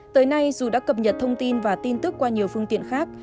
tới nay dù đã cập nhật thông tin và tin tức qua nhiều phương tiện khác